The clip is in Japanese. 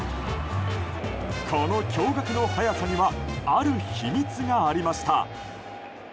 この驚愕の速さにはある秘密がありました。